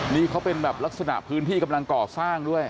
นี่เขาเป็นแบบลักษณะพื้นที่กำลังก่อสร้างด้วย